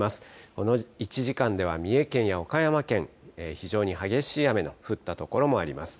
この１時間では三重県や岡山県、非常に激しい雨の降った所もあります。